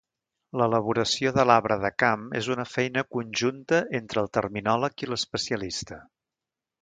L’elaboració de l’arbre de camp és una feina conjunta entre el terminòleg i l’especialista.